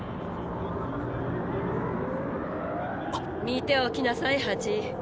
見ておきなさいハチ。